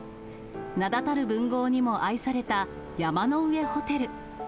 名だたる文豪にも愛された、山の上ホテル。